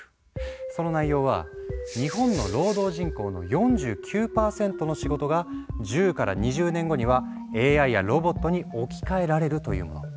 その内容は「日本の労働人口の４９％の仕事が１０から２０年後にはＡＩやロボットに置き換えられる」というもの。